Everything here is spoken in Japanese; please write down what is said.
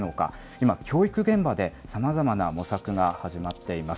今、教育現場でさまざまな模索が始まっています。